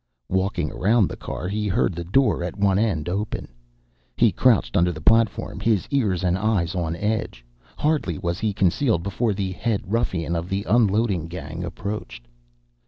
Walking around the car, he heard the door at one end open. He crouched under the platform, his ears and eyes on edge. Hardly was he concealed before the head ruffian of the unloading gang approached.